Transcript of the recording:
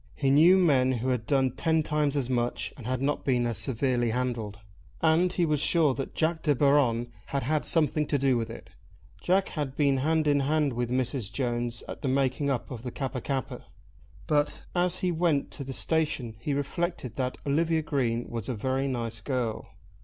He knew men who had done ten times as much and had not been as severely handled. And he was sure that Jack De Baron had had something to do with it. Jack had been hand in hand with Mrs. Jones at the making up of the Kappa kappa. But as he went to the station he reflected that Olivia Green was a very nice girl.